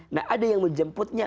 nah ada yang menjemputnya